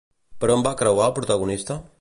Per on va creuar el protagonista?